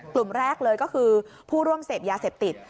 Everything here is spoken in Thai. กลุ่มแรกเลยก็คือผู้ร่วมเสพยาเสพติด